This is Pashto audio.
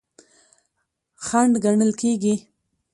خنډ ګڼل کیږي.